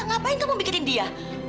ngapain kamu bikinin dia